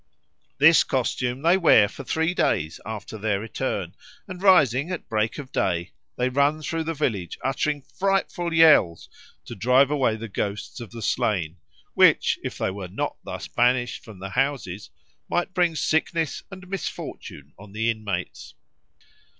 This costume they wear for three days after their return, and rising at break of day they run through the village uttering frightful yells to drive away the ghosts of the slain, which, if they were not thus banished from the houses, might bring sickness and misfortune on the inmates.